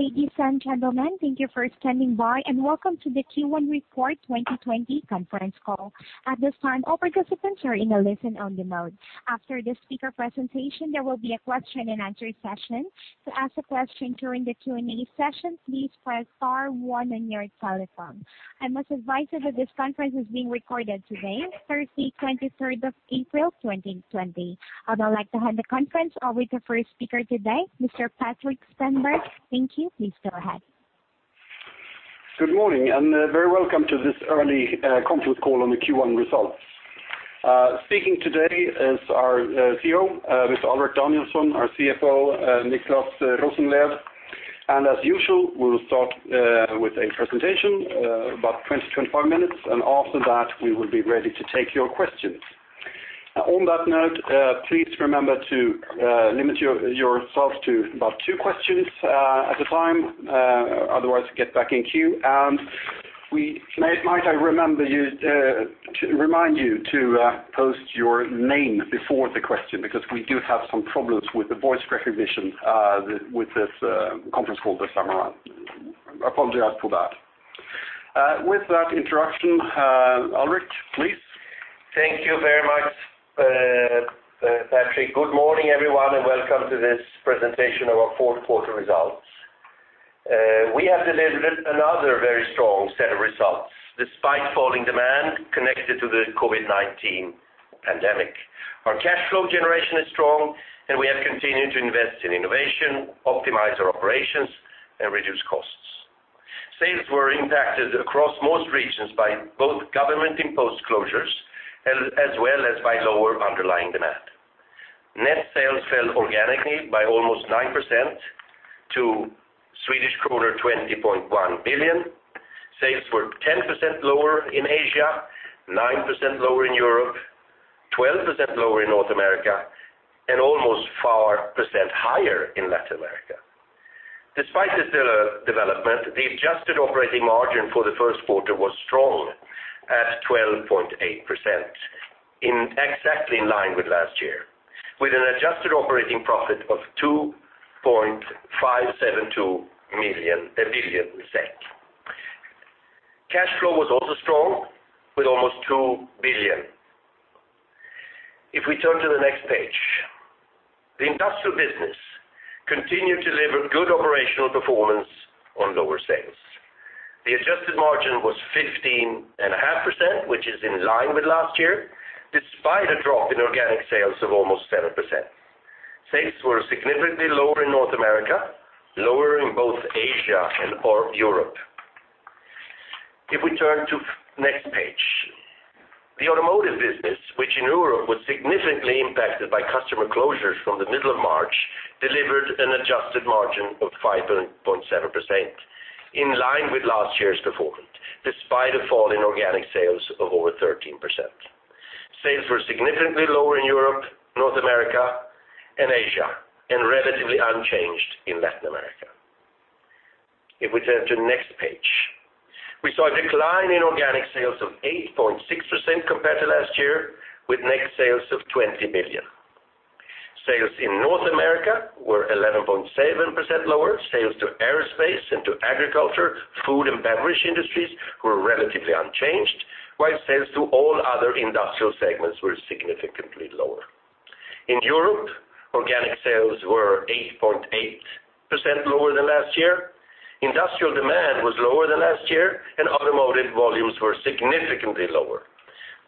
Ladies and gentlemen, thank you for standing by, and welcome to the Q1 Report 2020 conference call. At this time, all participants are in a listen-only mode. After the speaker presentation, there will be a question-and-answer session. To ask a question during the Q&A session, please press star one on your telephone. I must advise you that this conference is being recorded today, Thursday, 23rd of April, 2020. I would like to hand the conference over to our first speaker today, Mr. Patrik Stenberg. Thank you. Please go ahead. Good morning. Very welcome to this early conference call on the Q1 results. Speaking today is our CEO, Mr. Alrik Danielson, our CFO, Niclas Rosenlew. As usual, we will start with a presentation, about 20-25 minutes, and after that, we will be ready to take your questions. On that note, please remember to limit yourselves to about two questions at a time, otherwise get back in queue. Might I remind you to post your name before the question, because we do have some problems with the voice recognition with this conference call this time around. I apologize for that. With that introduction, Alrik, please. Thank you very much, Patrik. Good morning, everyone, and welcome to this presentation of our fourth quarter results. We have delivered another very strong set of results despite falling demand connected to the COVID-19 pandemic. Our cash flow generation is strong, and we have continued to invest in innovation, optimize our operations, and reduce costs. Sales were impacted across most regions by both government-imposed closures as well as by lower underlying demand. Net sales fell organically by almost 9% to Swedish kronor 20.1 billion. Sales were 10% lower in Asia, 9% lower in Europe, 12% lower in North America, and almost 4% higher in Latin America. Despite this development, the adjusted operating margin for the first quarter was strong at 12.8%, exactly in line with last year, with an adjusted operating profit of 2.572 billion. Cash flow was also strong with almost 2 billion. If we turn to the next page. The industrial business continued to deliver good operational performance on lower sales. The adjusted margin was 15.5%, which is in line with last year, despite a drop in organic sales of almost 7%. Sales were significantly lower in North America, lower in both Asia and Europe. If we turn to next page. The automotive business, which in Europe was significantly impacted by customer closures from the middle of March, delivered an adjusted margin of 5.7%, in line with last year's performance, despite a fall in organic sales of over 13%. Sales were significantly lower in Europe, North America, and Asia, and relatively unchanged in Latin America. If we turn to the next page. We saw a decline in organic sales of 8.6% compared to last year, with net sales of 20 billion. Sales in North America were 11.7% lower. Sales to aerospace and to agriculture, food, and beverage industries were relatively unchanged while sales to all other industrial segments were significantly lower. In Europe, organic sales were 8.8% lower than last year. Industrial demand was lower than last year, and automotive volumes were significantly lower.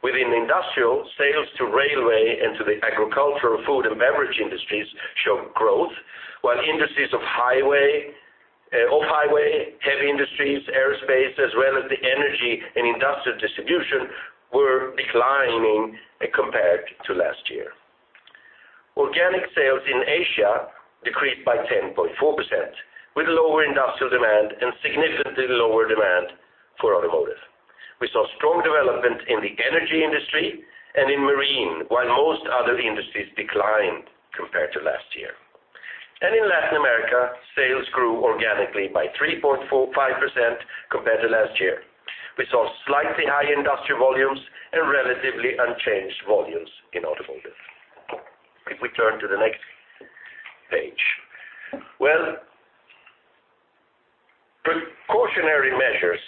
Within industrial, sales to railway and to the agricultural food and beverage industries showed growth, while industries of highway, heavy industries, aerospace, as well as the energy and industrial distribution were declining compared to last year. Organic sales in Asia decreased by 10.4%, with lower industrial demand and significantly lower demand for automotive. We saw strong development in the energy industry and in marine, while most other industries declined compared to last year. In Latin America, sales grew organically by 3.5% compared to last year. We saw slightly high industrial volumes and relatively unchanged volumes in automotive. If we turn to the next page. Precautionary measures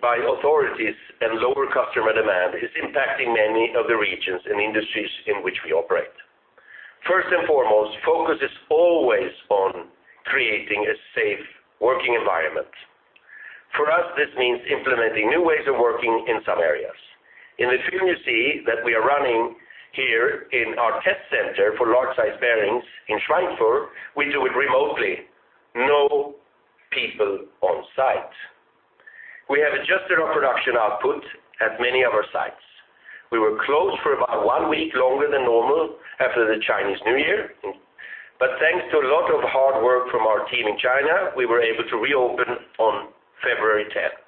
by authorities and lower customer demand is impacting many of the regions and industries in which we operate. First and foremost, focus is always on creating a safe working environment. For us, this means implementing new ways of working in some areas. In the film you see that we are running here in our test center for large size bearings in Schweinfurt, we do it remotely. No people on site. We have adjusted our production output at many of our sites. We were closed for about one week longer than normal after the Chinese New Year, but thanks to a lot of hard work from our team in China, we were able to reopen on February 10th.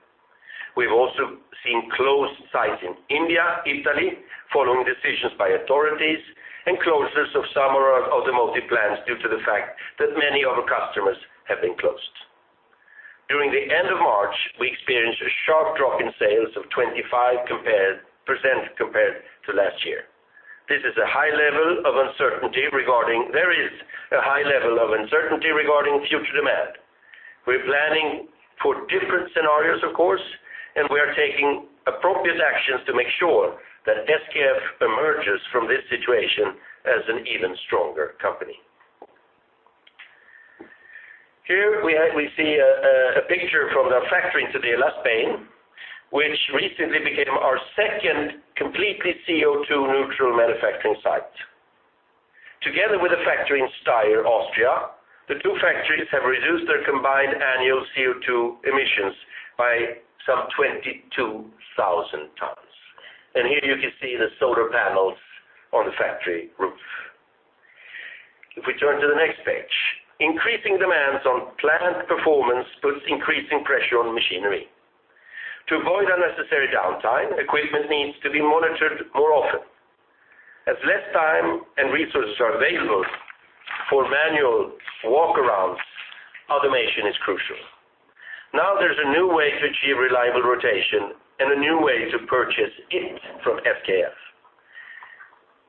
We've also seen closed sites in India, Italy, following decisions by authorities, and closures of some of our automotive plants due to the fact that many of our customers have been closed. During the end of March, we experienced a sharp drop in sales of 25% compared to last year. There is a high level of uncertainty regarding future demand. We're planning for different scenarios, of course, and we are taking appropriate actions to make sure that SKF emerges from this situation as an even stronger company. Here we see a picture from the factory in Tudela, Spain, which recently became our second completely CO2 neutral manufacturing site. Together with a factory in Steyr, Austria, the two factories have reduced their combined annual CO2 emissions by some 22,000 tons. Here you can see the solar panels on the factory roof. If we turn to the next page. Increasing demands on plant performance puts increasing pressure on machinery. To avoid unnecessary downtime, equipment needs to be monitored more often. As less time and resources are available for manual walkarounds, automation is crucial. Now there's a new way to achieve reliable rotation and a new way to purchase it from SKF.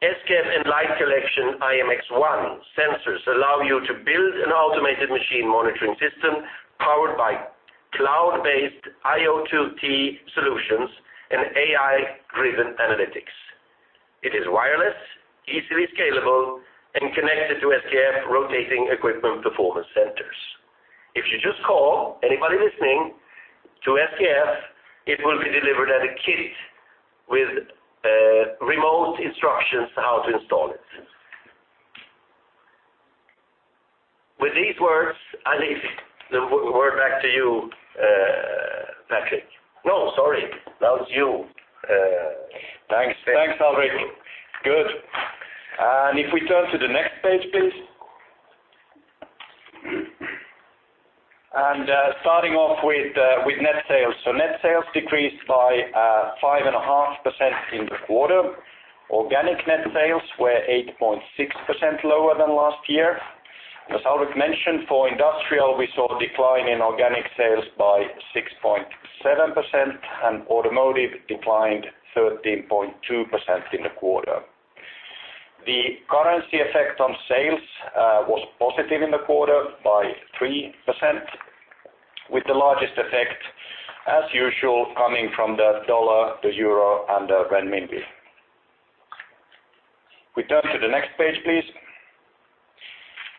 SKF and Enlight Collect IMx-1 sensors allow you to build an automated machine monitoring system powered by cloud-based IIoT solutions and AI-driven analytics. It is wireless, easily scalable, and connected to SKF rotating equipment performance centers. If you just call, anybody listening, to SKF, it will be delivered as a kit with remote instructions how to install it. With these words, I leave the floor back to you, Patrik. Sorry. That was you. Thanks, Alrik. Good. If we turn to the next page, please. Starting off with net sales. Net sales decreased by 5.5% in the quarter. Organic net sales were 8.6% lower than last year. As Alrik mentioned, for industrial, we saw a decline in organic sales by 6.7%, and automotive declined 13.2% in the quarter. The currency effect on sales was positive in the quarter by 3%, with the largest effect, as usual, coming from the USD to EUR and the CNY. We turn to the next page, please.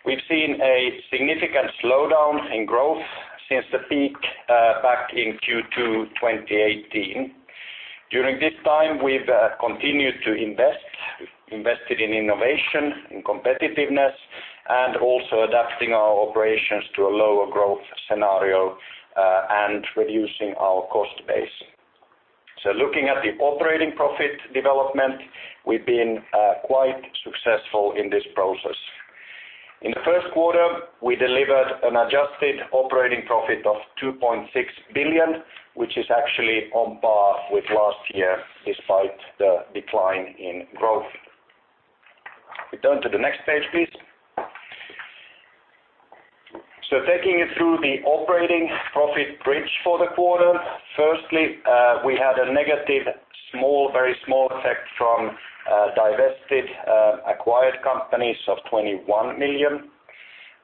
We've seen a significant slowdown in growth since the peak back in Q2 2018. During this time, we've continued to invest, invested in innovation, in competitiveness, and also adapting our operations to a lower growth scenario and reducing our cost base. Looking at the operating profit development, we've been quite successful in this process. In the first quarter, we delivered an adjusted operating profit of 2.6 billion, which is actually on par with last year, despite the decline in growth. We turn to the next page, please. Taking you through the operating profit bridge for the quarter. Firstly, we had a negative, very small effect from divested acquired companies of 21 million.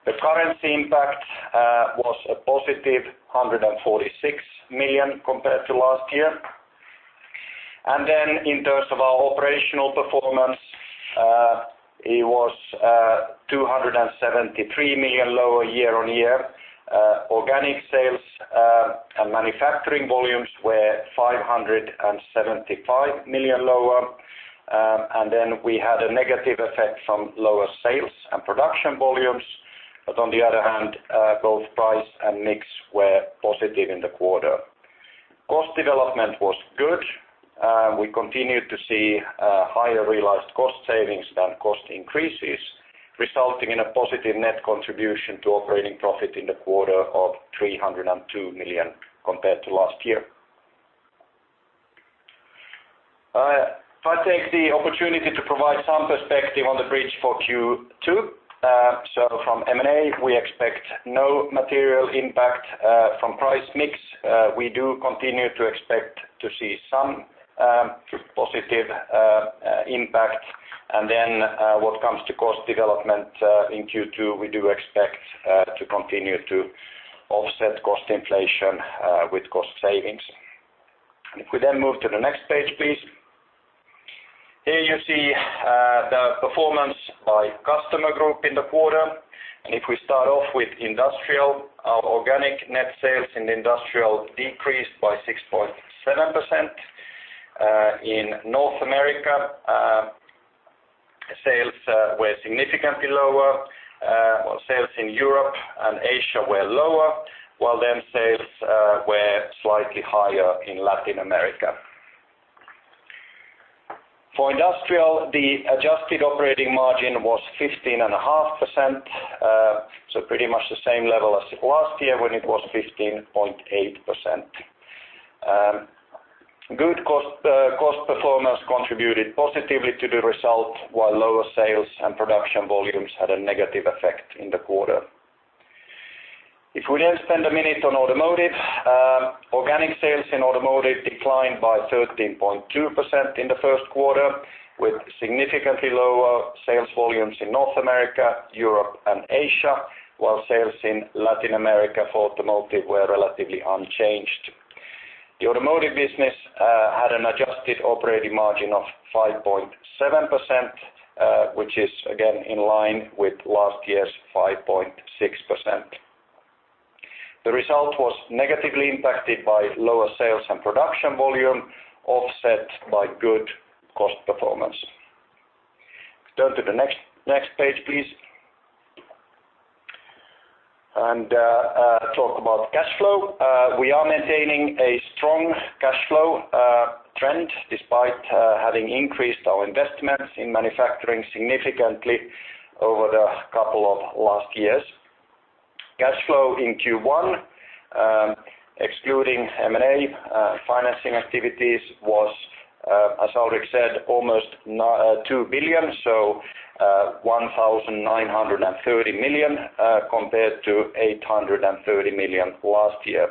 The currency impact was a positive 146 million compared to last year. In terms of our operational performance, it was 273 million lower year-on-year. Organic sales and manufacturing volumes were 575 million lower. We had a negative effect from lower sales and production volumes. On the other hand, both price and mix were positive in the quarter. Cost development was good. We continued to see higher realized cost savings than cost increases, resulting in a positive net contribution to operating profit in the quarter of 302 million compared to last year. If I take the opportunity to provide some perspective on the bridge for Q2. From M&A, we expect no material impact from price mix. We do continue to expect to see some positive impact. What comes to cost development in Q2, we do expect to continue to offset cost inflation with cost savings. If we then move to the next page, please. Here you see the performance by customer group in the quarter. If we start off with Industrial, our organic net sales in Industrial decreased by 6.7%. In North America, sales were significantly lower. Sales in Europe and Asia were lower, while sales were slightly higher in Latin America. For industrial, the adjusted operating margin was 15.5%, so pretty much the same level as last year when it was 15.8%. Good cost performance contributed positively to the result, while lower sales and production volumes had a negative effect in the quarter. If we then spend a minute on automotive. Organic sales in automotive declined by 13.2% in the first quarter, with significantly lower sales volumes in North America, Europe, and Asia, while sales in Latin America for automotive were relatively unchanged. The automotive business had an adjusted operating margin of 5.7%, which is again in line with last year's 5.6%. The result was negatively impacted by lower sales and production volume, offset by good cost performance. Turn to the next page, please. Talk about cash flow. We are maintaining a strong cash flow trend despite having increased our investments in manufacturing significantly over the couple of last years. Cash flow in Q1, excluding M&A financing activities, was, as Alrik said, almost 2 billion, so, 1,930 million compared to 830 million last year.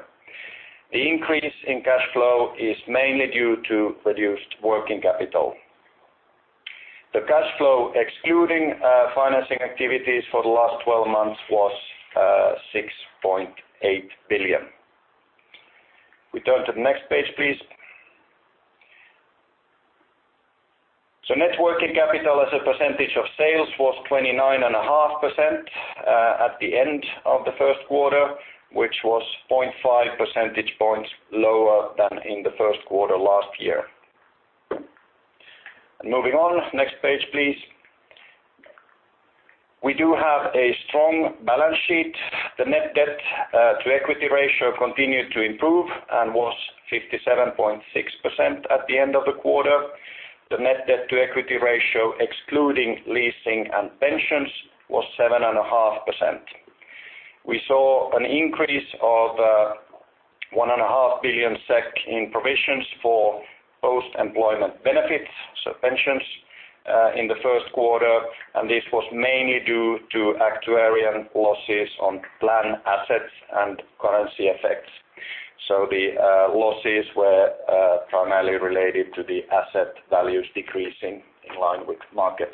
The increase in cash flow is mainly due to reduced working capital. The cash flow excluding financing activities for the last 12 months was 6.8 billion. We turn to the next page, please. Net working capital as a percentage of sales was 29.5% at the end of the first quarter, which was 0.5 percentage points lower than in the first quarter last year. Moving on. Next page, please. We do have a strong balance sheet. The net debt to equity ratio continued to improve and was 57.6% at the end of the quarter. The net debt to equity ratio, excluding leasing and pensions, was 7.5%. We saw an increase of 1.5 billion SEK in provisions for post-employment benefits, so pensions, in the first quarter. This was mainly due to actuary losses on plan assets and currency effects. The losses were primarily related to the asset values decreasing in line with market.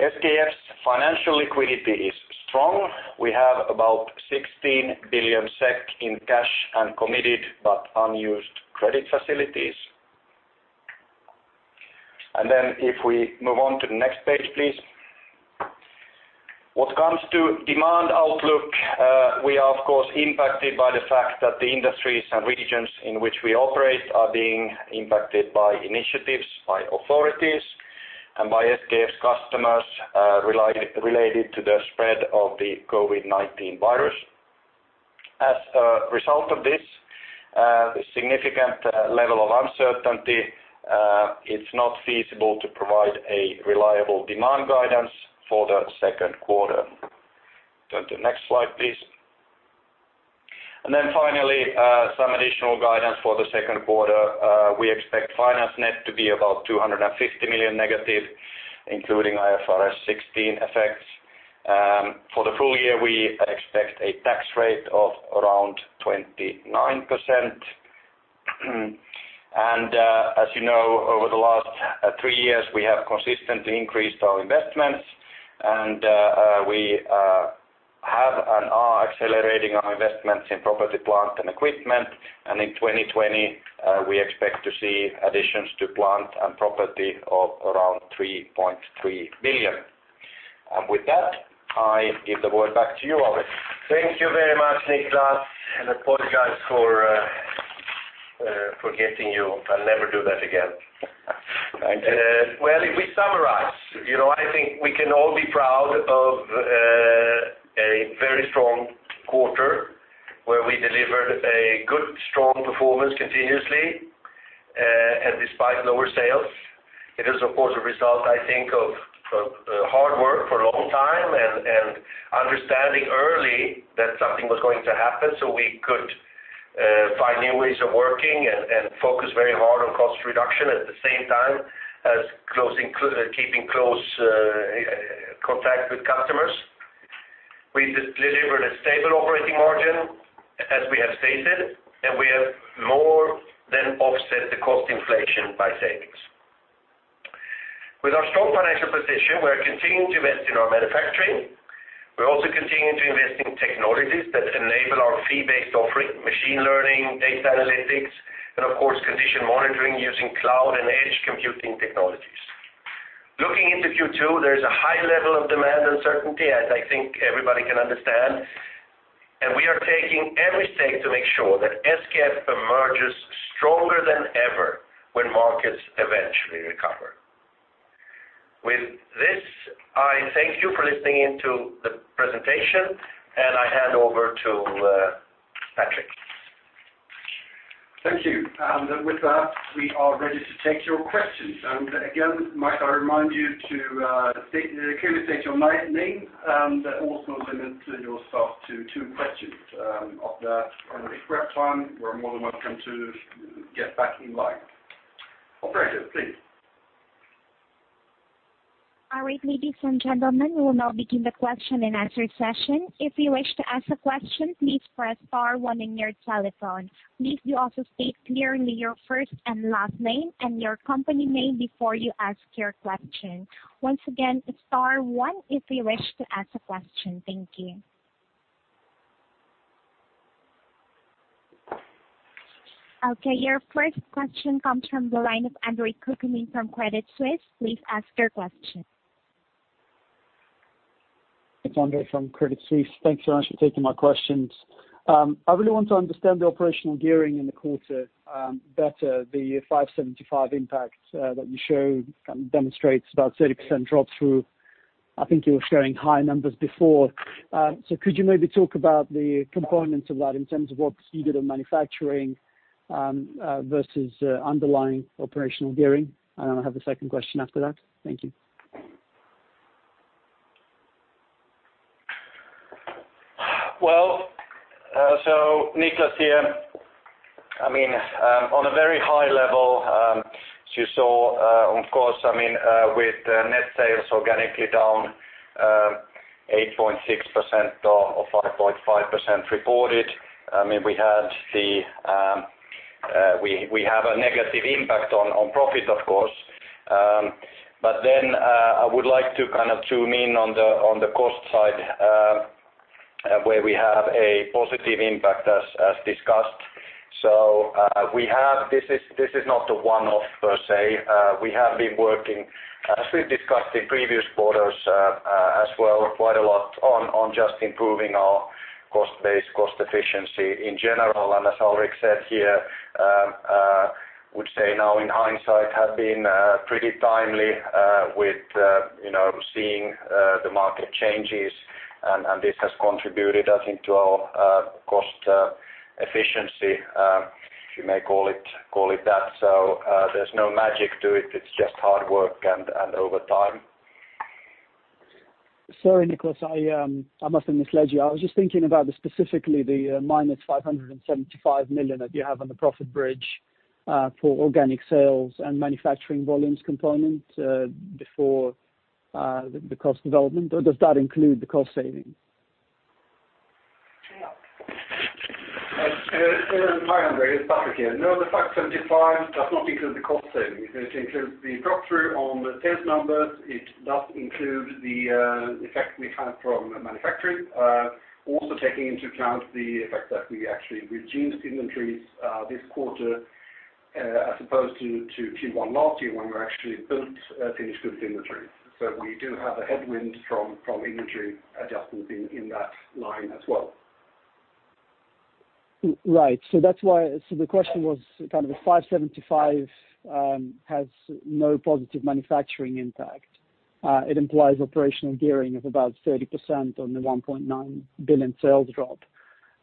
SKF's financial liquidity is strong. We have about 16 billion SEK in cash and committed but unused credit facilities. If we move on to the next page, please. What comes to demand outlook, we are of course impacted by the fact that the industries and regions in which we operate are being impacted by initiatives by authorities and by SKF's customers related to the spread of the COVID-19 virus. As a result of this significant level of uncertainty, it's not feasible to provide a reliable demand guidance for the second quarter. Turn to next slide, please. Finally, some additional guidance for the second quarter. We expect finance net to be about 250 million negative, including IFRS 16 effects. For the full year, we expect a tax rate of around 29%. As you know, over the last three years, we have consistently increased our investments and we have and are accelerating our investments in property, plant, and equipment, and in 2020, we expect to see additions to plant and property of around 3.3 billion. With that, I give the word back to you, Alrik. Thank you very much, Niclas. I apologize for forgetting you. I'll never do that again. Thank you. Well, if we summarize, I think we can all be proud of a very strong quarter where we delivered a good, strong performance continuously, despite lower sales. It is of course a result, I think of hard work for a long time and understanding early that something was going to happen so we could find new ways of working and focus very hard on cost reduction at the same time as keeping close contact with customers. We delivered a stable operating margin as we have stated, we have more than offset the cost inflation by savings. With our strong financial position, we are continuing to invest in our manufacturing. We're also continuing to invest in technologies that enable our fee-based offering, machine learning, data analytics, and of course, condition monitoring using cloud and edge computing technologies. Looking into Q2, there's a high level of demand uncertainty, as I think everybody can understand, and we are taking every step to make sure that SKF emerges stronger than ever when markets eventually recover. With this, I thank you for listening in to the presentation, and I hand over to Patrik. Thank you. With that, we are ready to take your questions. Again, might I remind you to clearly state your name, and also limit yourself to two questions. After on the prep time, we're more than welcome to get back in line. Operator, please. All right. Ladies and gentlemen, we will now begin the question and answer session. If you wish to ask a question, please press star one on your telephone. Please also state clearly your first and last name and your company name before you ask your question. Once again, it's star one if you wish to ask a question. Thank you. Okay. Your first question comes from the line of Andre Kukhnin from Credit Suisse. Please ask your question. It's Andre from Credit Suisse. Thanks so much for taking my questions. I really want to understand the operational gearing in the quarter better, the 575 impact that you showed demonstrates about 30% drop through. I think you were showing high numbers before. Could you maybe talk about the components of that in terms of what you did on manufacturing versus underlying operational gearing? And then I have a second question after that. Thank you. Niclas here. On a very high level, as you saw, of course, with net sales organically down 8.6% or 5.5% reported, we have a negative impact on profit, of course. I would like to zoom in on the cost side, where we have a positive impact as discussed. This is not a one-off, per se. We have been working, as we've discussed in previous quarters as well, quite a lot on just improving our cost base, cost efficiency in general. As Alrik said here, I would say now in hindsight have been pretty timely with seeing the market changes, and this has contributed, I think, to our cost efficiency, if you may call it that. There's no magic to it. It's just hard work and over time. Sorry, Niclas, I must have misled you. I was just thinking about specifically the minus 575 million that you have on the profit bridge for organic sales and manufacturing volumes component before the cost development, or does that include the cost savings? Hi, Andre. It's Patrik here. The SEK 575 does not include the cost savings. It includes the drop-through on the sales numbers. It does include the effect we had from manufacturing. Taking into account the effect that we actually reduced inventories this quarter as opposed to Q1 last year when we actually built finished goods inventory. We do have a headwind from inventory adjustments in that line as well. Right. The question was kind of the 575 has no positive manufacturing impact. It implies operational gearing of about 30% on the 1.9 billion sales drop.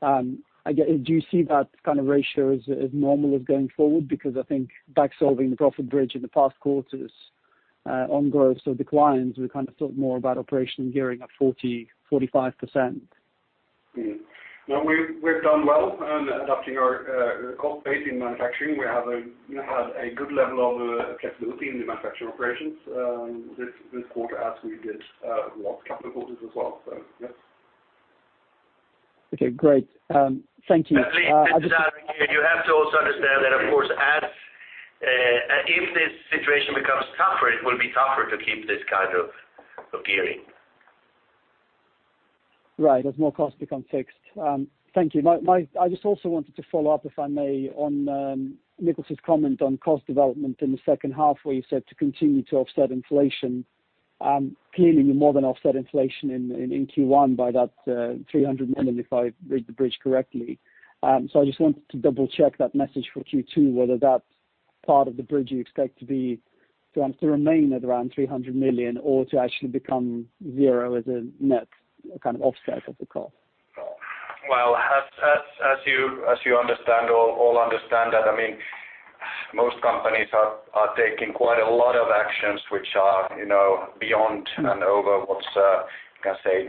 Do you see that kind of ratio as normal going forward? I think back-solving the profit bridge in the past quarters on growth. Declines, we kind of thoug.t more about operational gearing at 40%-45%. No, we've done well on adapting our cost base in manufacturing. We have had a good level of flexibility in the manufacturing operations this quarter as we did the last couple of quarters as well. Yes. Okay, great. Thank you. Please, it's Alrik here. You have to also understand that, of course, if this situation becomes tougher, it will be tougher to keep this kind of gearing. Right, as more costs become fixed. Thank you. I just also wanted to follow up, if I may, on Niclas's comment on cost development in the second half, where you said to continue to offset inflation. Clearly, you more than offset inflation in Q1 by that 300 million, if I read the bridge correctly. I just wanted to double-check that message for Q2, whether that's part of the bridge you expect to remain at around 300 million or to actually become zero as a net kind of offset of the cost. As you understand, all understand that most companies are taking quite a lot of actions which are beyond and over what's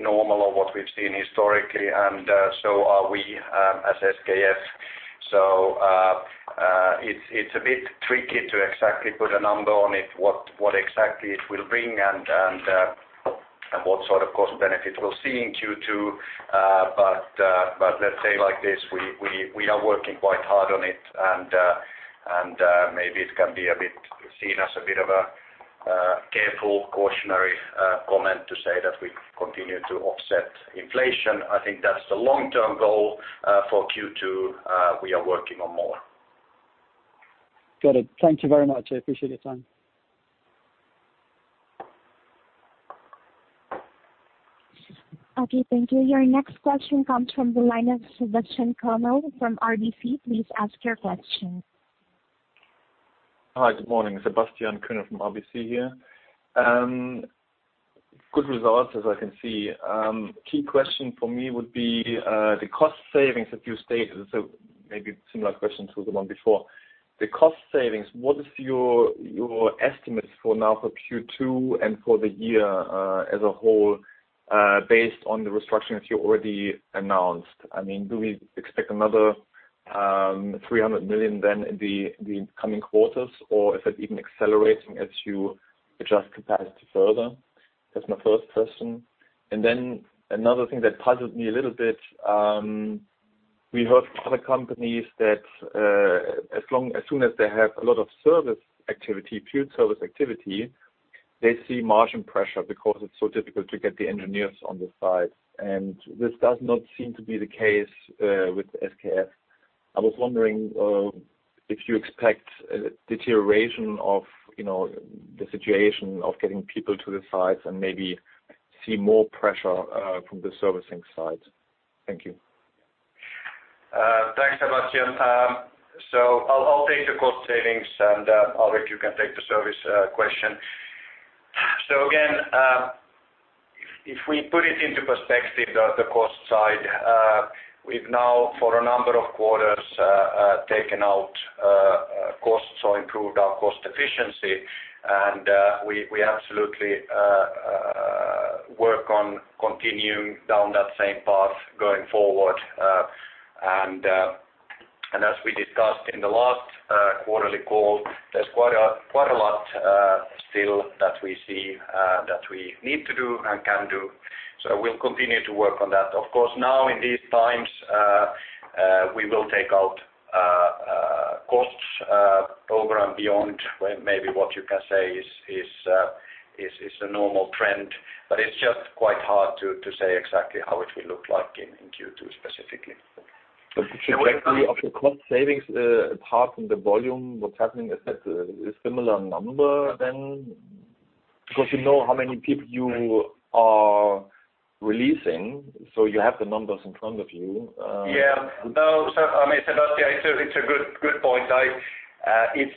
normal or what we've seen historically, and so are we as SKF. It's a bit tricky to exactly put a number on it, what exactly it will bring and what sort of cost benefit we'll see in Q2. Let's say like this, we are working quite hard on it, and maybe it can be seen as a bit of a careful cautionary comment to say that we continue to offset inflation. I think that's the long-term goal. For Q2, we are working on more. Got it. Thank you very much. I appreciate your time. Okay, thank you. Your next question comes from the line of Sebastian Kuenne from RBC. Please ask your question. Hi, good morning. Sebastian Kuenne from RBC here. Good results, as I can see. Key question for me would be the cost savings that you stated. Maybe a similar question to the one before. The cost savings, what is your estimate for now for Q2 and for the year as a whole based on the restructuring that you already announced? Do we expect another 300 million then in the coming quarters, or is it even accelerating as you adjust capacity further? That's my first question. Another thing that puzzled me a little bit, we heard from other companies that as soon as they have a lot of service activity, pure service activity, they see margin pressure because it's so difficult to get the engineers on the site. This does not seem to be the case with SKF. I was wondering if you expect a deterioration of the situation of getting people to the sites and maybe see more pressure from the servicing side. Thank you. Thanks, Sebastian. I'll take the cost savings, and Alrik, you can take the service question. Again, if we put it into perspective, the cost side, we've now, for a number of quarters, taken out costs or improved our cost efficiency. We absolutely work on continuing down that same path going forward. As we discussed in the last quarterly call, there's quite a lot still that we see that we need to do and can do. We'll continue to work on that. Of course, now in these times, we will take out costs over and beyond where maybe what you can say is a normal trend, but it's just quite hard to say exactly how it will look like in Q2 specifically. The trajectory of the cost savings apart from the volume, what's happening, is that a similar number then? Because you know how many people you are releasing, so you have the numbers in front of you. Yeah. No, I mean, Sebastian, it's a good point.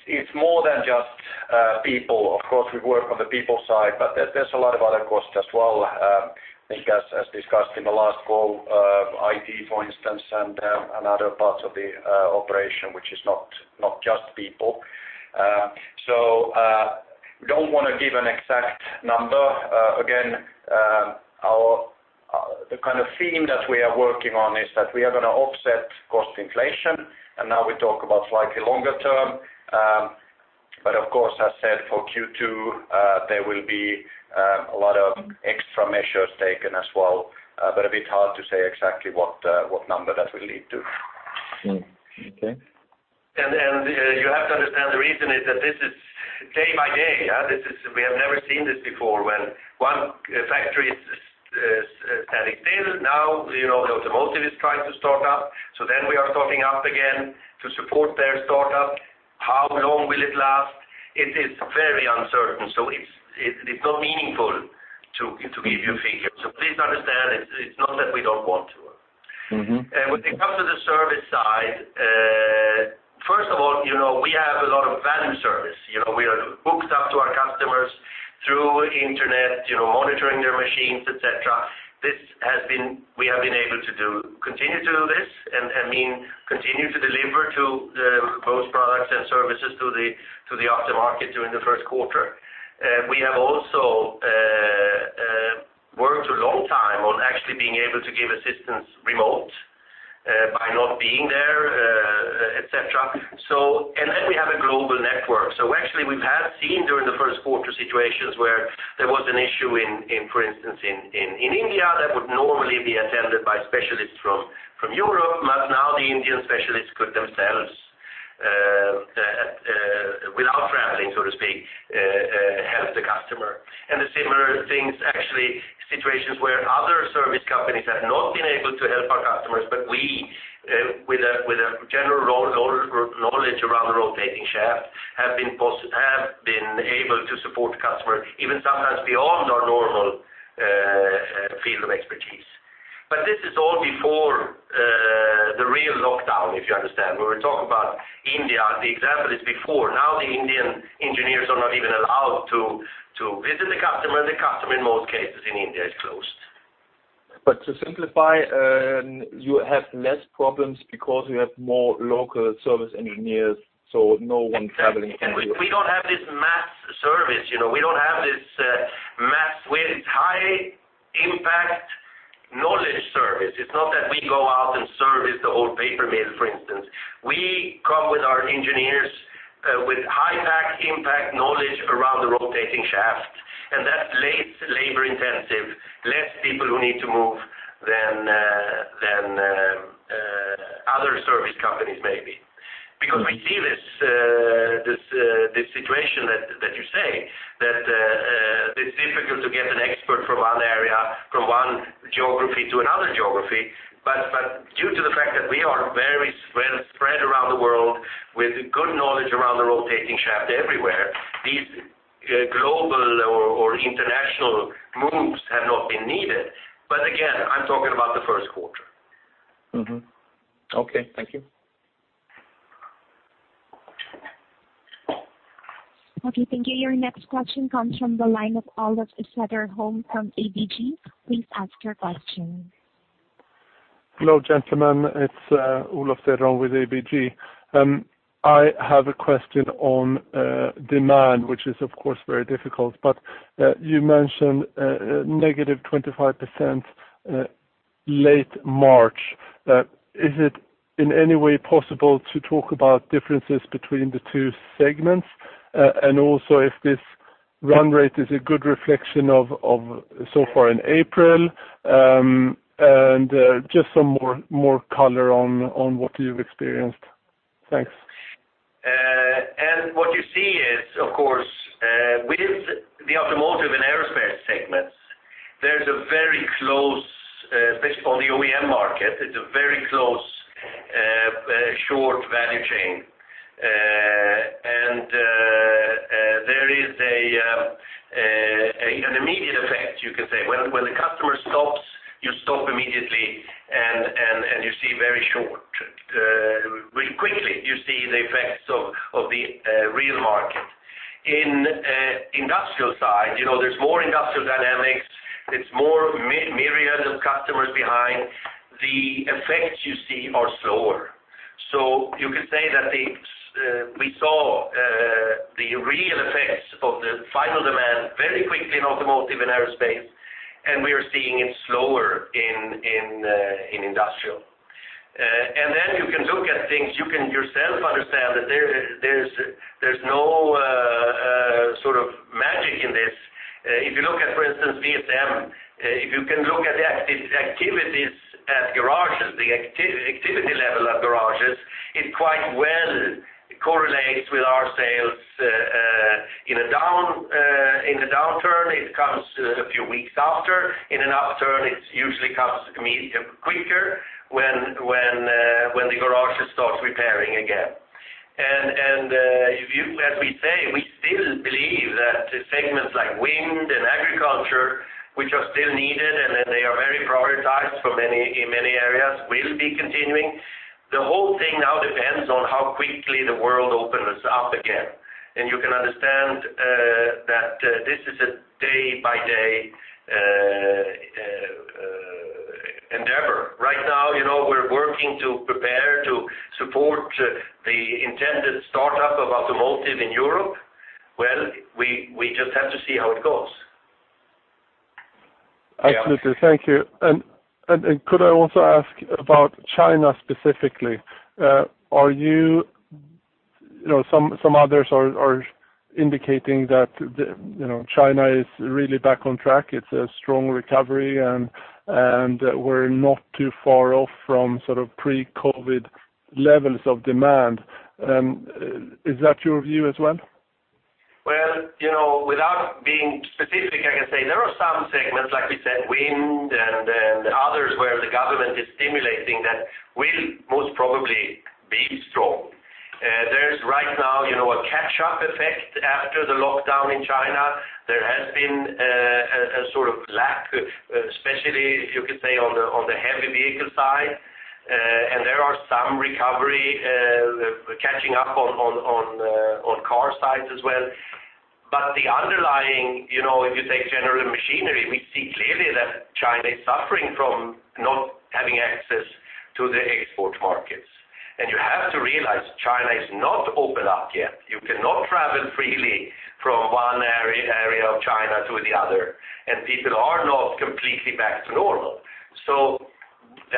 It's more than just people. Of course, we work on the people side, but there's a lot of other costs as well. I think as discussed in the last call, IT, for instance, and other parts of the operation, which is not just people. We don't want to give an exact number. Again, the kind of theme that we are working on is that we are going to offset cost inflation, and now we talk about a slightly longer term. Of course, as said, for Q2, there will be a lot of extra measures taken as well. A bit hard to say exactly what number that will lead to. Okay. You have to understand the reason is that this is day by day. We have never seen this before when one factory is static there. The automotive is trying to start up, we are starting up again to support their start-up. How long will it last? It is very uncertain. It's not meaningful to give you figures. Please understand, it's not that we don't want to. When it comes to the service side, first of all, we have a lot of value service. We are hooked up to our customers through internet, monitoring their machines, et cetera. We have been able to continue to do this and continue to deliver both products and services to the aftermarket during the first quarter. We have also worked a long time on actually being able to give assistance remote by not being there, et cetera. We have a global network. Actually, we have seen during the first quarter situations where there was an issue, for instance, in India that would normally be attended by specialists from Europe, but now the Indian specialists could themselves, without traveling, so to speak, help the customer. Similar things, actually, situations where other service companies have not been able to help our customers, but we, with a general knowledge around the rotating shaft, have been able to support customers even sometimes beyond our normal field of expertise. This is all before the real lockdown, if you understand. When we talk about India, the example is before. Now the Indian engineers are not even allowed to visit the customer. The customer in most cases in India is closed. To simplify, you have less problems because you have more local service engineers, so no one traveling. Exactly. We don't have this mass service. We don't have this mass where it's high impact knowledge service. It's not that we go out and service the whole paper mill, for instance. We come with our engineers with high-impact knowledge around the rotating shaft, and that's less labor intensive, less people who need to move than other service companies, maybe. Because we see this situation that you say, that it's difficult to get an expert from one area, from one geography to another geography. Due to the fact that we are very well spread around the world with good knowledge around the rotating shaft everywhere, these global or international moves have not been needed. Again, I'm talking about the first quarter. Mm-hmm. Okay. Thank you. Okay, thank you. Your next question comes from the line of Olof Cederholm from ABG. Please ask your question. Hello, gentlemen. It's Olof Cederholm with ABG. I have a question on demand, which is of course very difficult, but you mentioned -25% late March. Is it in any way possible to talk about differences between the two segments? Also if this run rate is a good reflection of so far in April, and just some more color on what you've experienced. Thanks. What you see is, of course, with the automotive and aerospace segments, there's a very close, especially for the OEM market, it's a very close short value chain. There is an immediate effect, you can say. When the customer stops, you stop immediately, and very quickly, you see the effects of the real market. In industrial side, there's more industrial dynamics. It's more myriad of customers behind. The effects you see are slower. You can say that we saw the real effects of the final demand very quickly in automotive and aerospace, and we are seeing it slower in industrial. Then you can look at things, you can yourself understand that there's no sort of magic in this. If you look at, for instance, VSM, if you can look at the activities at garages, the activity level at garages, it quite well correlates with our sales. In a downturn, it comes a few weeks after. In an upturn, it usually comes quicker when the garages start repairing again. As we say, we still believe that the segments like wind and agriculture, which are still needed and that they are very prioritized in many areas, will be continuing. The whole thing now depends on how quickly the world opens up again. You can understand that this is a day-by-day endeavor. Right now, we're working to prepare to support the intended startup of automotive in Europe. Well, we just have to see how it goes. Absolutely. Thank you. Could I also ask about China specifically? Some others are indicating that China is really back on track. It's a strong recovery, and we're not too far off from pre-COVID levels of demand. Is that your view as well? Well, without being specific, I can say there are some segments, like we said, wind and others, where the government is stimulating that will most probably be strong. There's right now a catch-up effect after the lockdown in China. There has been a sort of lack, especially if you could say on the heavy vehicle side, and there are some recovery catching up on car sides as well. The underlying, if you take general machinery, we see clearly that China is suffering from not having access to the export markets. You have to realize China is not open up yet. You cannot travel freely from one area of China to the other, and people are not completely back to normal.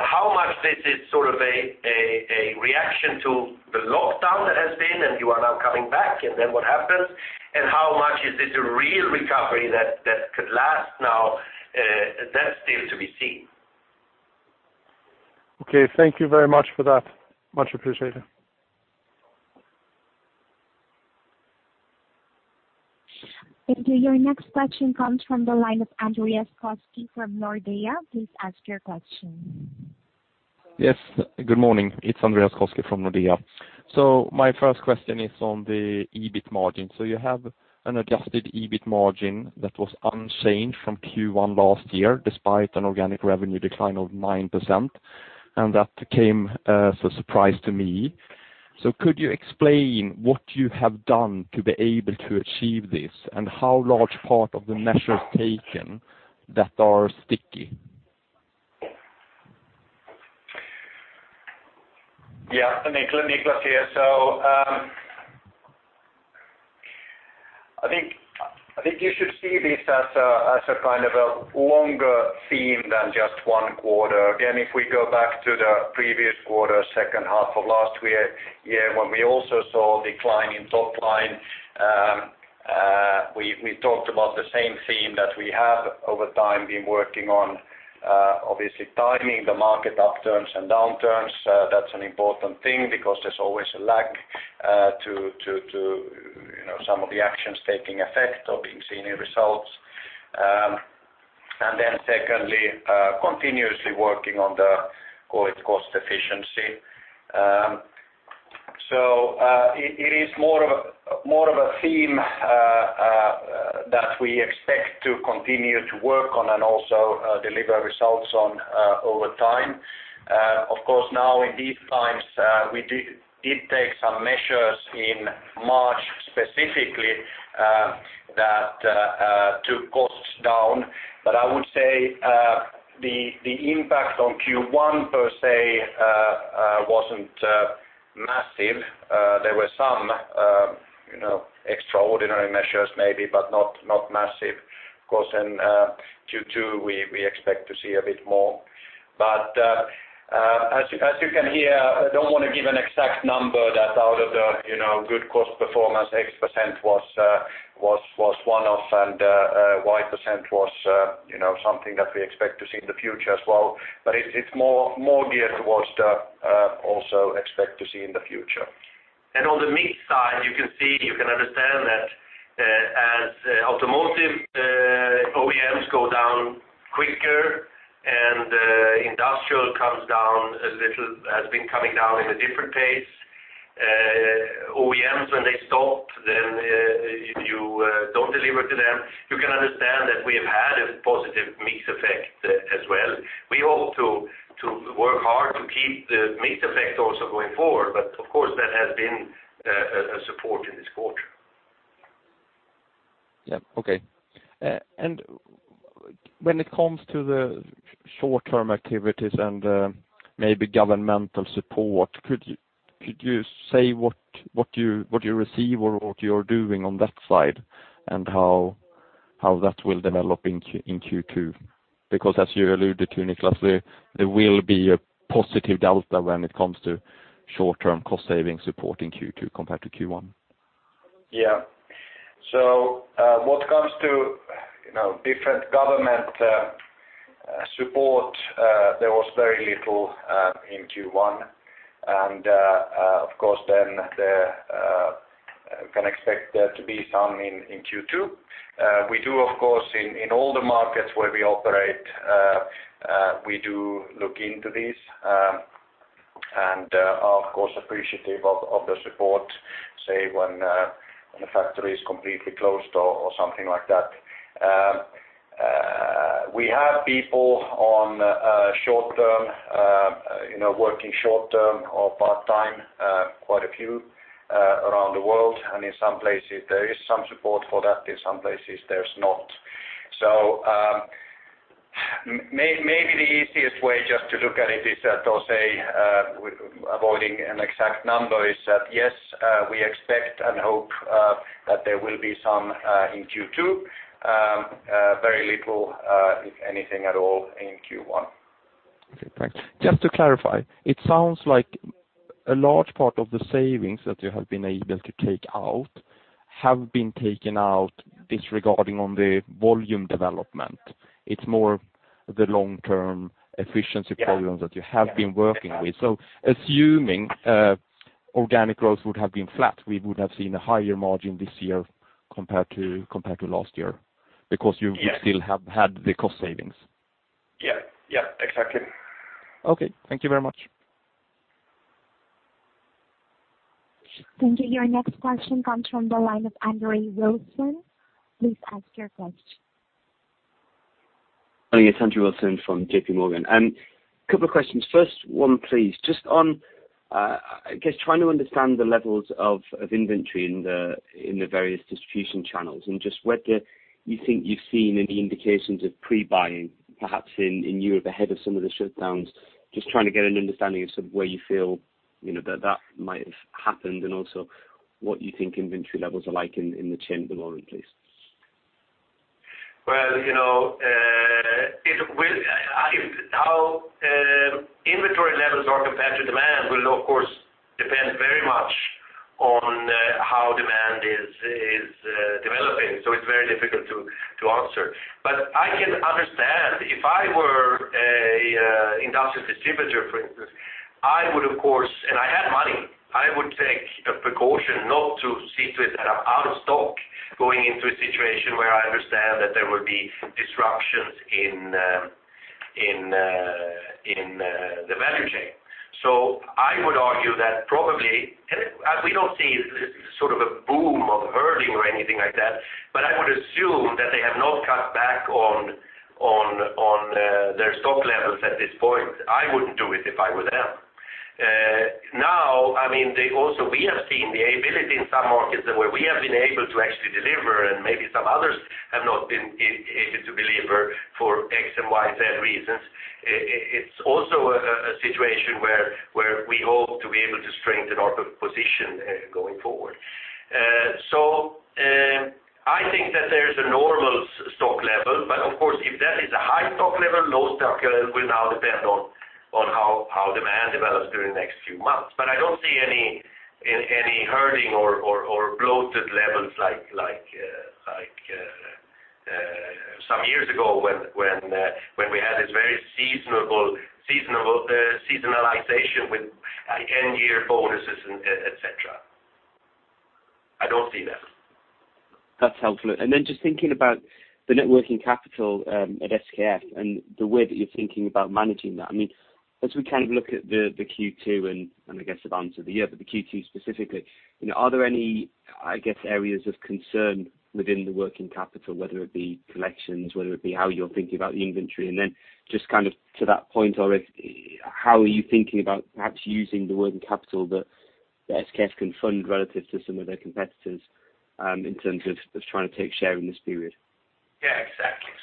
How much this is sort of a reaction to the lockdown that has been, and you are now coming back, and then what happens, and how much is this a real recovery that could last now, that's still to be seen. Okay. Thank you very much for that. Much appreciated. Your next question comes from the line of Andreas Koski from Nordea. Please ask your question. Yes. Good morning. It's Andreas Koski from Nordea. My first question is on the EBIT margin. You have an adjusted EBIT margin that was unchanged from Q1 last year, despite an organic revenue decline of 9%, and that came as a surprise to me. Could you explain what you have done to be able to achieve this, and how large part of the measures taken that are sticky? Niclas here. I think you should see this as a kind of a longer theme than just one quarter. Again, if we go back to the previous quarter, second half of last year when we also saw a decline in top line, we talked about the same theme that we have over time been working on. Obviously timing the market upturns and downturns, that's an important thing because there's always a lag to some of the actions taking effect or being seen in results. Secondly, continuously working on the cost efficiency. It is more of a theme that we expect to continue to work on and also deliver results on over time. Of course, now in these times, we did take some measures in March specifically that took costs down I would say the impact on Q1 per se wasn't massive. There were some extraordinary measures maybe, but not massive. Of course, in Q2, we expect to see a bit more. As you can hear, I don't want to give an exact number that out of the good cost performance, X% was one-off and Y% was something that we expect to see in the future as well. It's more geared towards the also expect to see in the future. On the mix side, you can see, you can understand that as automotive OEMs go down quicker and industrial comes down a little, has been coming down in a different pace. OEMs, when they stop, then you don't deliver to them. You can understand that we have had a positive mix effect as well. We hope to work hard to keep the mix effect also going forward, but of course, that has been a support in this quarter. Yeah. Okay. When it comes to the short-term activities and maybe governmental support, could you say what you receive or what you're doing on that side and how that will develop in Q2? Because as you alluded to, Niclas, there will be a positive delta when it comes to short-term cost savings support in Q2 compared to Q1. What comes to different government support, there was very little in Q1, and of course then we can expect there to be some in Q2. We do, of course, in all the markets where we operate, we do look into this, and are of course appreciative of the support, say when a factory is completely closed or something like that. We have people on a short term, working short term or part-time quite a few around the world, and in some places there is some support for that. In some places there's not. Maybe the easiest way just to look at it is that I'll say, avoiding an exact number, is that yes, we expect and hope that there will be some in Q2. Very little if anything at all in Q1. Okay, thanks. Just to clarify, it sounds like a large part of the savings that you have been able to take out have been taken out disregarding on the volume development. It's more the long-term efficiency programs that you have been working with. Assuming organic growth would have been flat, we would have seen a higher margin this year compared to last year because you would still have had the cost savings. Yeah. Exactly. Okay. Thank you very much. Thank you. Your next question comes from the line of Andrew Wilson. Please ask your question. Hi, it's Andrew Wilson from JPMorgan. Couple of questions. First one, please, just on, I guess trying to understand the levels of inventory in the various distribution channels and just whether you think you've seen any indications of pre-buying, perhaps in Europe ahead of some of the shutdowns. Just trying to get an understanding of sort of where you feel that might have happened, and also what you think inventory levels are like in the chain at the moment, please. Well, how inventory levels are compared to demand will, of course, depend very much on how demand is developing. It's very difficult to answer. I can understand if I were an industrial distributor, for instance, I would, of course, and I had money, I would take a precaution not to sit with out of stock going into a situation where I understand that there will be disruptions in the value chain. I would argue that probably, we don't see sort of a boom of hoarding or anything like that, but I would assume that they have not cut back on their stock levels at this point. I wouldn't do it if I were them. Now, we have seen the ability in some markets where we have been able to actually deliver, and maybe some others have not been able to deliver for X and Y, Z reasons. It's also a situation where we hope to be able to strengthen our position going forward. I think that there's a normal stock level, but of course, if that is a high stock level, low stock level will now depend on how demand develops during the next few months. I don't see any herding or bloated levels like some years ago when we had this very seasonalization with end year bonuses, et cetera. I don't see that. That's helpful. Just thinking about the net working capital at SKF and the way that you're thinking about managing that. As we look at the Q2 and I guess the balance of the year, but the Q2 specifically, are there any, I guess, areas of concern within the working capital, whether it be collections, whether it be how you're thinking about the inventory? Just to that point or how are you thinking about perhaps using the working capital that SKF can fund relative to some of their competitors, in terms of trying to take share in this period? Exactly.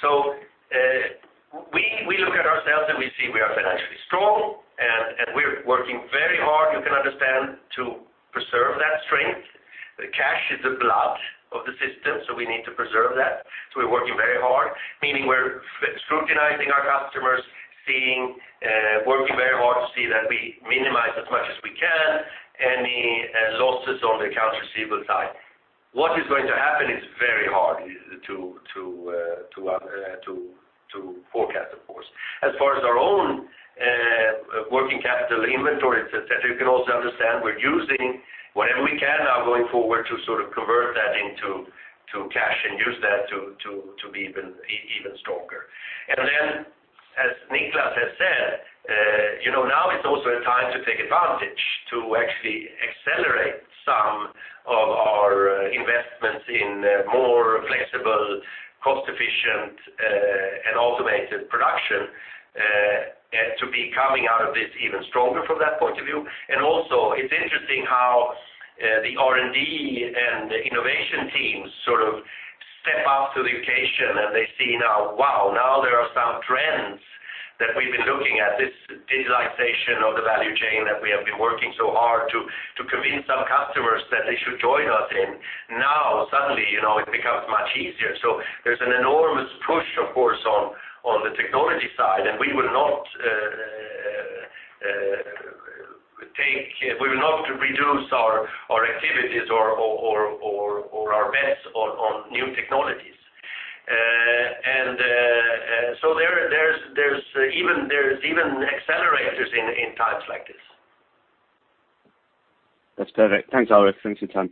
We look at ourselves and we see we are financially strong, and we're working very hard, you can understand, to preserve that strength. The cash is the blood of the system. We need to preserve that. We're working very hard, meaning we're scrutinizing our customers, working very hard to see that we minimize as much as we can any losses on the accounts receivable side. What is going to happen is very hard to forecast, of course. As far as our own working capital inventory, et cetera, you can also understand we're using whatever we can now going forward to sort of convert that into cash and use that to be even stronger. As Niclas Rosenlew has said, now it's also a time to take advantage to actually accelerate some of our investments in more flexible, cost-efficient, and automated production, and to be coming out of this even stronger from that point of view. It's interesting how the R&D and the innovation teams sort of step up to the occasion and they see now, wow, now there are some trends that we've been looking at, this digitalization of the value chain that we have been working so hard to convince some customers that they should join us in. Suddenly, it becomes much easier. There's an enormous push, of course, on the technology side, and we will not reduce our activities or our bets on new technologies. There's even accelerators in times like this. That's perfect. Thanks, Alrik. Thanks for your time.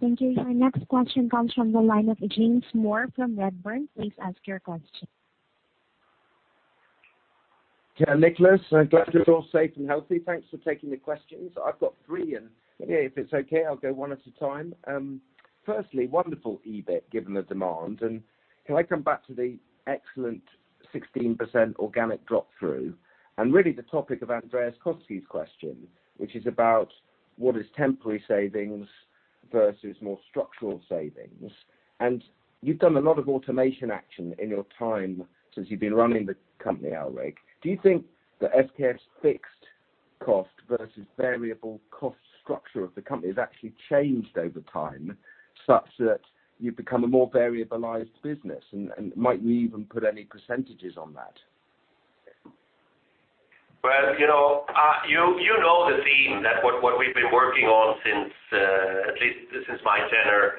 Thank you. Our next question comes from the line of James Moore from Redburn. Please ask your question. Okay, Niclas, I'm glad you're all safe and healthy. Thanks for taking the questions. I've got three, if it's okay, I'll go one at a time. Firstly, wonderful EBIT given the demand. Can I come back to the excellent 16% organic drop-through? Really the topic of Andreas Koski's question, which is about what is temporary savings versus more structural savings. You've done a lot of automation action in your time since you've been running the company, Alrik. Do you think that SKF's fixed cost versus variable cost structure of the company has actually changed over time, such that you've become a more variabilized business? Might you even put any percentages on that? You know the theme that what we've been working on since, at least since my tenure,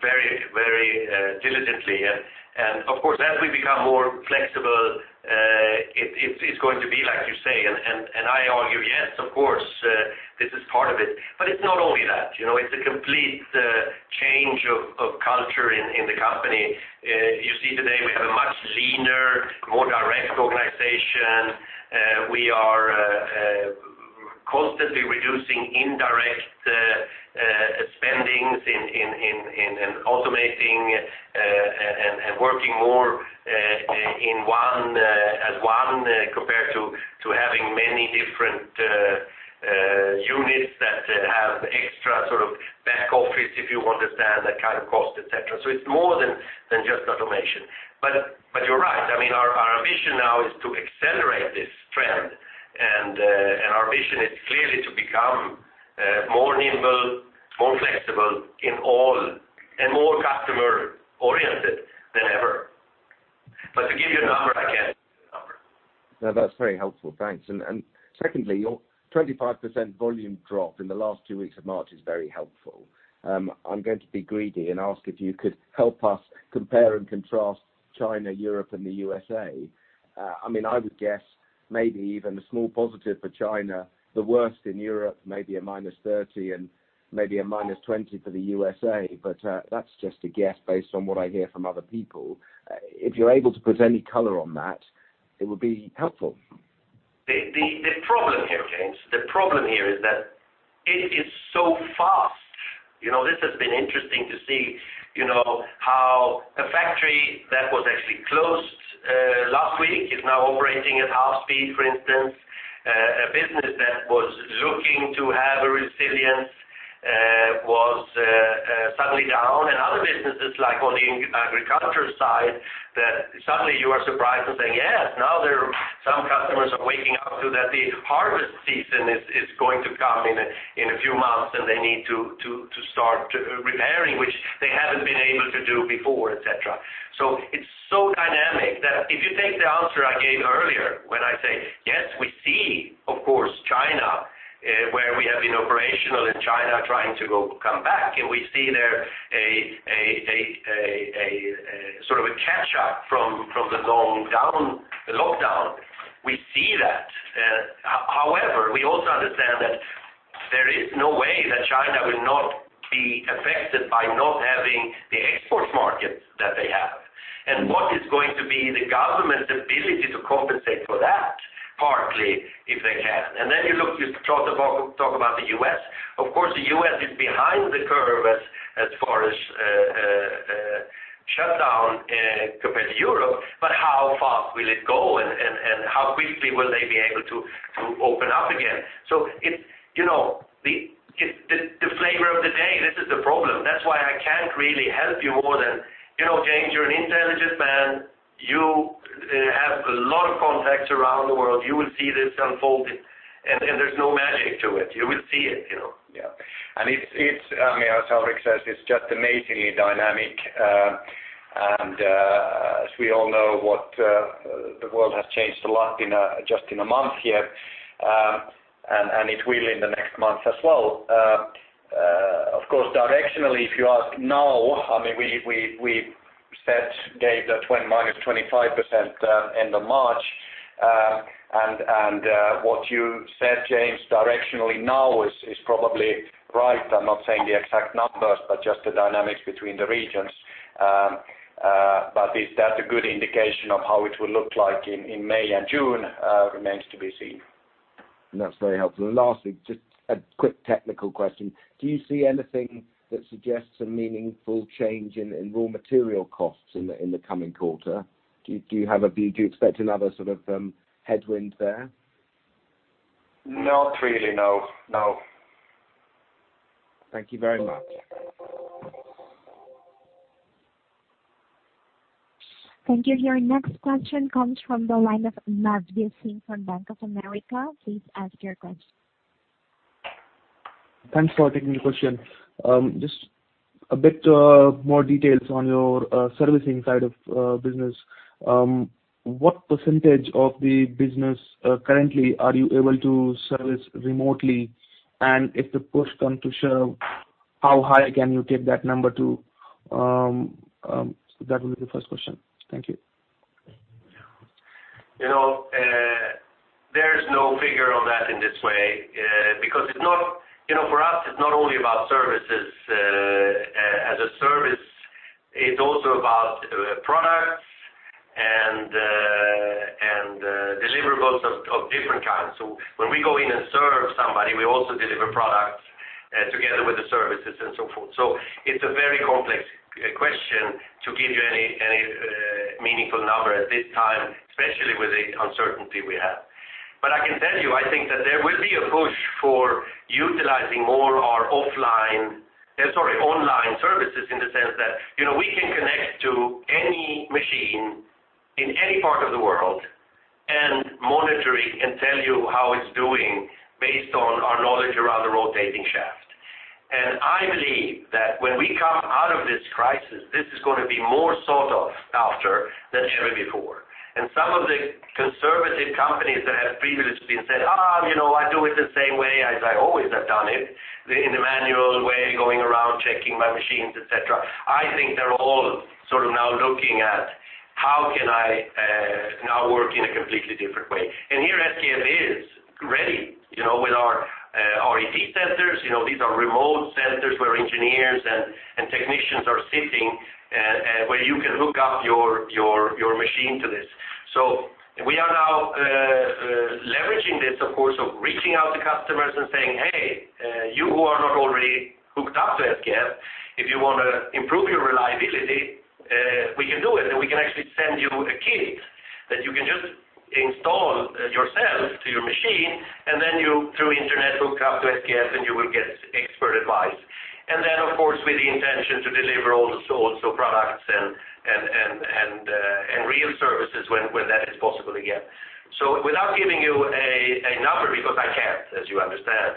very diligently. Of course, as we become more flexible, it's going to be like you say. I argue, yes, of course, this is part of it. It's not only that. It's a complete change of culture in the company. You see today we have a much leaner, more direct organization. We are constantly reducing indirect spendings and automating, and working more as one compared to having many different units that have extra sort of back office, if you understand that kind of cost, et cetera. It's more than just automation. You're right. I mean, our ambition now is to accelerate this trend. Our vision is clearly to become more nimble, more flexible in all, and more customer-oriented than ever. To give you a number, I can't give you a number. No, that's very helpful. Thanks. Secondly, your 25% volume drop in the last two weeks of March is very helpful. I'm going to be greedy and ask if you could help us compare and contrast China, Europe, and the U.S.A. I mean, I would guess maybe even a small positive for China, the worst in Europe, maybe a minus 30, and maybe a minus 20 for the U.S.A. That's just a guess based on what I hear from other people. If you're able to put any color on that, it would be helpful. The problem here, James, the problem here is that it is so fast. This has been interesting to see how a factory that was actually closed last week is now operating at half speed, for instance. A business that was looking to have a resilience was suddenly down, and other businesses like on the agriculture side, that suddenly you are surprised and say, "Yes, now some customers are waking up to that the harvest season is going to come in a few months, and they need to start repairing, which they haven't been able to do before," et cetera. It's so dynamic that if you take the answer I gave earlier when I say, yes, we see, of course, China, where we have been operational in China trying to come back, and we see there a sort of a catch up from the lockdown. We see that. However, we also understand that there is no way that China will not be affected by not having the export markets that they have. What is going to be the government's ability to compensate for that? Partly if they can. You talk about the U.S. Of course, the U.S. is behind the curve as far as shutdown compared to Europe, how fast will it go, and how quickly will they be able to open up again? It's the flavor of the day. This is the problem. That's why I can't really help you more than, James, you're an intelligent man. You have a lot of contacts around the world. You will see this unfolding, and there's no magic to it. You will see it. Yeah. As Alrik says, it's just amazingly dynamic. As we all know, the world has changed a lot just in a month here. It will in the next month as well. Of course, directionally, if you ask now, we said, gave the -25% end of March. What you said, James, directionally now is probably right. I'm not saying the exact numbers, but just the dynamics between the regions. If that's a good indication of how it will look like in May and June, remains to be seen. That's very helpful. Lastly, just a quick technical question. Do you see anything that suggests a meaningful change in raw material costs in the coming quarter? Do you expect another sort of headwind there? Not really, no. Thank you very much. Thank you. Your next question comes from the line of Navdeep Singh from Bank of America. Please ask your question. Thanks for taking the question. Just a bit more details on your servicing side of business. What percentage of the business currently are you able to service remotely? If the push come to shove, how high can you take that number to? That will be the first question. Thank you. There's no figure on that in this way, because for us, it's not only about services as a service, it's also about products and deliverables of different kinds. When we go in and serve somebody, we also deliver products together with the services and so forth. It's a very complex question to give you any meaningful number at this time, especially with the uncertainty we have. I can tell you, I think that there will be a push for utilizing more our online services in the sense that we can connect to any machine in any part of the world and monitor it, and tell you how it's doing based on our knowledge around the rotating shaft. I believe that when we come out of this crisis, this is going to be more sought after than ever before. Some of the conservative companies that have previously been said, "I do it the same way as I always have done it, in a manual way, going around checking my machines, et cetera," I think they're all sort of now looking at how can I now work in a completely different way. Here, SKF is ready with our REP centers. These are remote centers where engineers and technicians are sitting, where you can hook up your machine to this. We are now leveraging this, of course, of reaching out to customers and saying, "Hey, you who are not already hooked up to SKF, if you want to improve your reliability, we can do it, and we can actually send you a kit that you can just install yourself to your machine, and then you, through internet, hook up to SKF, and you will get expert advice." Then, of course, with the intention to deliver also products and real services when that is possible again. Without giving you a number, because I can't, as you understand,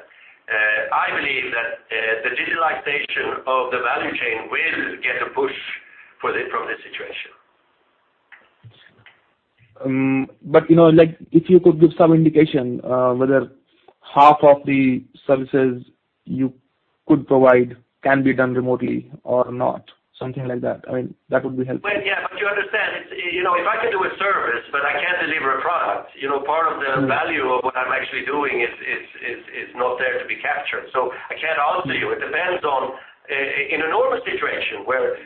I believe that the digitalization of the value chain will get a push from this situation. If you could give some indication whether half of the services you could provide can be done remotely or not, something like that. That would be helpful. Well, yeah, you understand, if I can do a service, but I can't deliver a product, part of the value of what I'm actually doing is not there to be captured. I can't answer you. In a normal situation where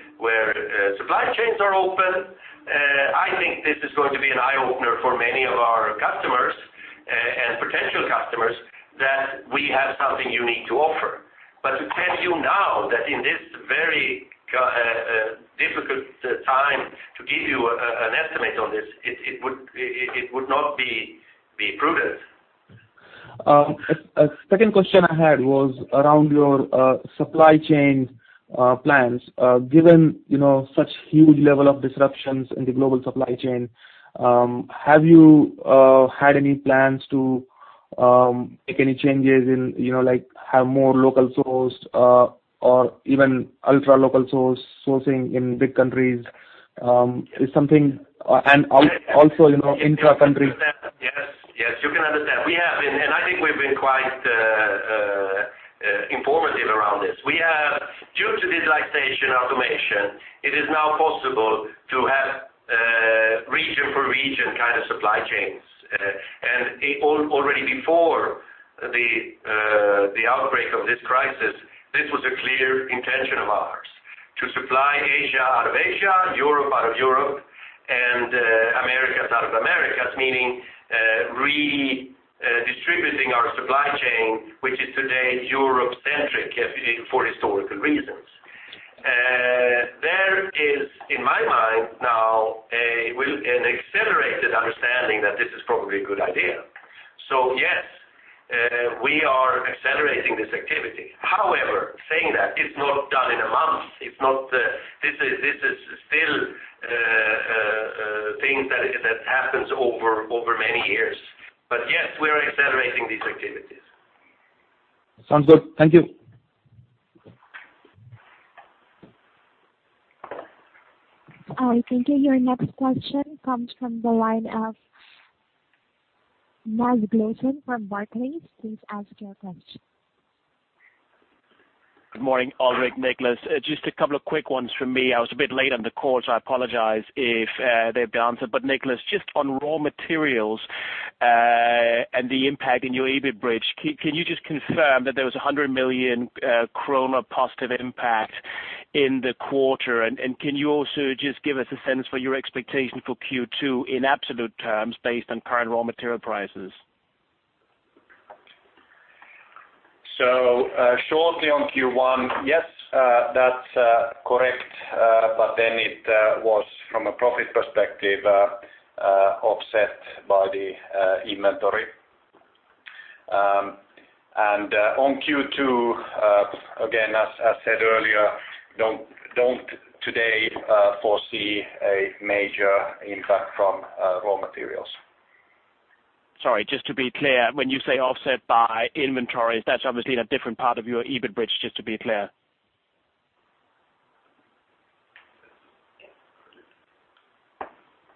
supply chains are open, I think this is going to be an eye-opener for many of our customers and potential customers that we have something unique to offer. To tell you now that in this very difficult time to give you an estimate on this, it would not be prudent. A second question I had was around your supply chain plans. Given such huge level of disruptions in the global supply chain, have you had any plans to make any changes in, like have more local source, or even ultra local sourcing in big countries, also intra-country? Yes. You can understand. We have been, and I think we've been quite informative around this. Due to digitalization automation, it is now possible to have region for region kind of supply chains. Already before the outbreak of this crisis, this was a clear intention of ours. To supply Asia out of Asia, Europe out of Europe, and Americas out of Americas, meaning redistributing our supply chain, which is today Europe-centric for historical reasons. There is, in my mind now, an accelerated understanding that this is probably a good idea. Yes, we are accelerating this activity. Saying that, it's not done in one month. This is still a thing that happens over many years. Yes, we're accelerating these activities. Sounds good. Thank you. All right. Thank you. Your next question comes from the line of Niclas Gudmundson from Barclays. Please ask your question. Good morning, Alrik, Niclas. Just a couple of quick ones from me. I was a bit late on the call, so I apologize if they've been answered. Niclas, just on raw materials, and the impact in your EBIT bridge. Can you just confirm that there was 100 million kronor positive impact in the quarter? Can you also just give us a sense for your expectation for Q2 in absolute terms based on current raw material prices? Shortly on Q1, yes, that's correct. It was from a profit perspective, offset by the inventory. On Q2, again, as I said earlier, don't today foresee a major impact from raw materials. Sorry, just to be clear, when you say offset by inventories, that's obviously in a different part of your EBIT bridge, just to be clear.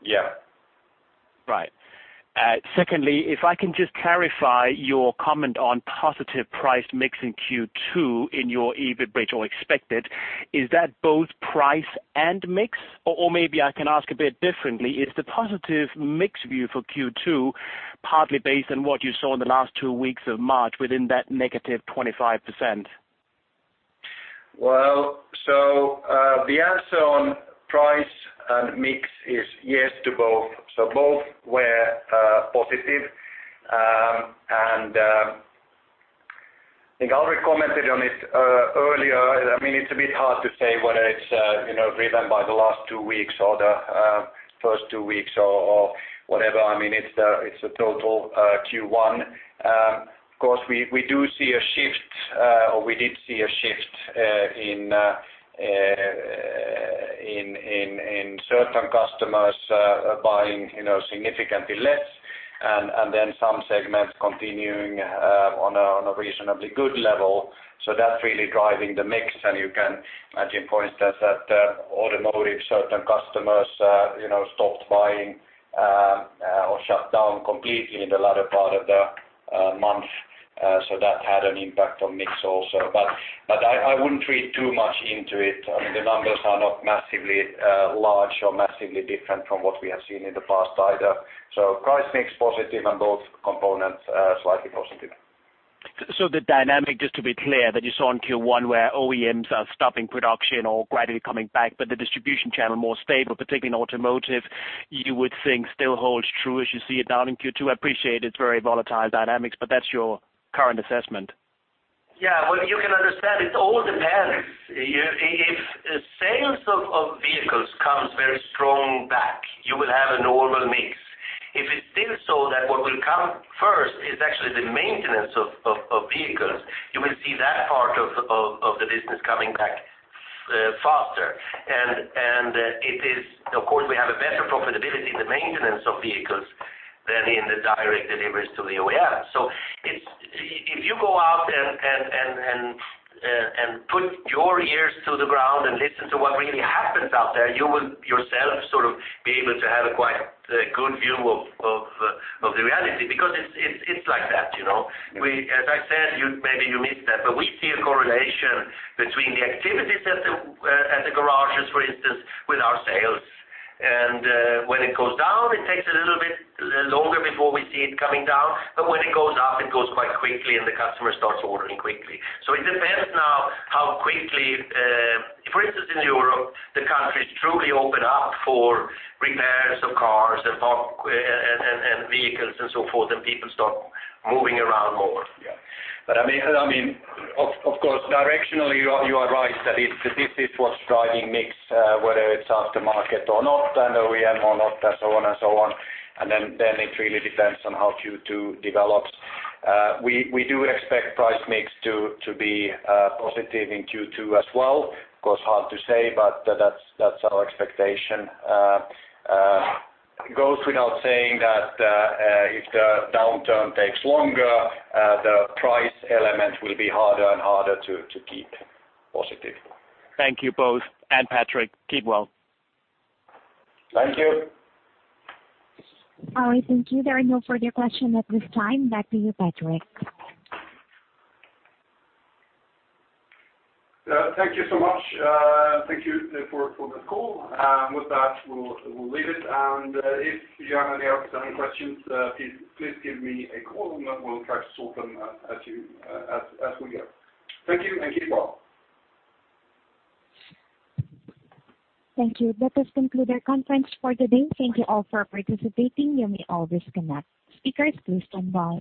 Yeah. Right. Secondly, if I can just clarify your comment on positive price mix in Q2 in your EBIT bridge, or expected, is that both price and mix? Maybe I can ask a bit differently. Is the positive mix view for Q2 partly based on what you saw in the last two weeks of March within that negative 25%? Well. The answer on price and mix is yes to both. Both were positive. I think Alrik commented on it earlier. It's a bit hard to say whether it's driven by the last two weeks or the first two weeks or whatever. It's a total Q1. Of course, we do see a shift, or we did see a shift in certain customers buying significantly less and then some segments continuing on a reasonably good level. That's really driving the mix, and you can imagine, for instance, that automotive, certain customers stopped buying or shut down completely in the latter part of the month. That had an impact on mix also. I wouldn't read too much into it. The numbers are not massively large or massively different from what we have seen in the past either. Price mix positive and both components slightly positive. The dynamic, just to be clear, that you saw in Q1 where OEMs are stopping production or gradually coming back, but the distribution channel more stable, particularly in automotive, you would think still holds true as you see it now in Q2. I appreciate it's very volatile dynamics, but that's your current assessment. Well, you can understand, it all depends. If sales of vehicles comes very strong back, you will have a normal mix. If it's still so that what will come first is actually the maintenance of vehicles, you will see that part of the business coming back faster. Of course, we have a better profitability in the maintenance of vehicles than in the direct deliveries to the OEM. If you go out and put your ears to the ground and listen to what really happens out there, you will yourself sort of be able to have a quite good view of the reality because it's like that. As I said, maybe you missed that, but we see a correlation between the activities at the garages, for instance, with our sales. When it goes down, it takes a little bit longer before we see it coming down. When it goes up, it goes quite quickly, and the customer starts ordering quickly. It depends now how quickly, for instance, in Europe, the countries truly open up for repairs of cars and vehicles and so forth, and people start moving around more. Yeah. Of course, directionally, you are right that this is what's driving mix, whether it's aftermarket or not, and OEM or not, and so on. Then it really depends on how Q2 develops. We do expect price mix to be positive in Q2 as well. Of course, hard to say, but that's our expectation. It goes without saying that if the downturn takes longer, the price element will be harder and harder to keep positive. Thank you both. Patrik, keep well. Thank you. All right. Thank you. There are no further questions at this time. Back to you, Patrik. Thank you so much. Thank you for the call. With that, we'll leave it. If you happen to have any questions, please give me a call, and we'll try to sort them as we go. Thank you, and keep well. Thank you. That does conclude our conference for today. Thank you all for participating. You may all disconnect. Speakers, please stand by.